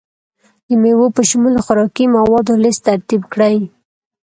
د میوو په شمول د خوراکي موادو لست ترتیب کړئ.